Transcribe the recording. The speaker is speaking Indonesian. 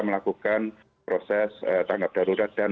melakukan proses tanggap darurat dan